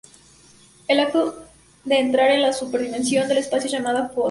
El acto de entrar en la "Super Dimension" del espacio es llamada "fold in".